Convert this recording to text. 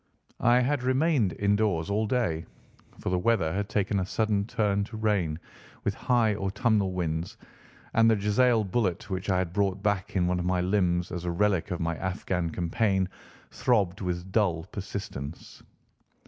I had remained indoors all day, for the weather had taken a sudden turn to rain, with high autumnal winds, and the jezail bullet which I had brought back in one of my limbs as a relic of my Afghan campaign throbbed with dull persistence.